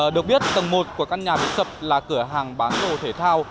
được biết tầng một của căn nhà bị sập là cửa hàng bán đồ thể thao